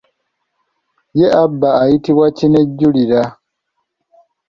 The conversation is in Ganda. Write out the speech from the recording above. Ye aba ayitibwa kinejjulira.